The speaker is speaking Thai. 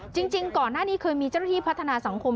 จริงก่อนหน้านี้เคยมีเจ้าหน้าที่พัฒนาสังคม